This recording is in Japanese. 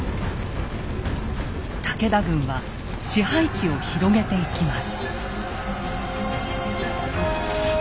武田軍は支配地を広げていきます。